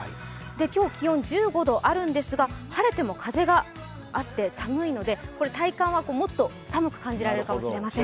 今日、気温１５度あるんですが晴れても風があって寒いので、体感はもっと寒く感じられるかもしれません。